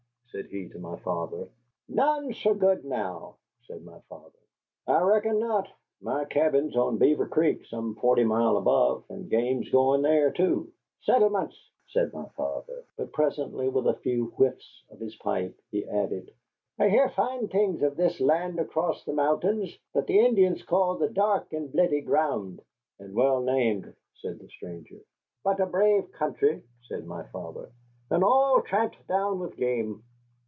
said he to my father. "None sae good, now," said my father. "I reckon not. My cabin's on Beaver Creek some forty mile above, and game's going there, too." "Settlements," said my father. But presently, after a few whiffs of his pipe, he added, "I hear fine things of this land across the mountains, that the Indians call the Dark and Bluidy Ground." "And well named," said the stranger. "But a brave country," said my father, "and all tramped down with game.